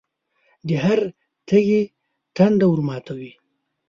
د هر تږي تنده ورماتوي.